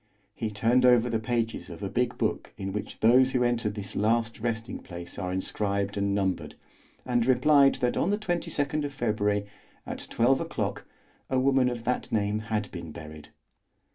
He turned over the pages of a big book in which those who enter this last resting place are inscribed and numbered, and replied that on the 22nd of February, at 12 o'clock, a woman of that name had been buried.